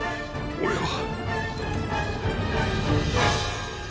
俺は。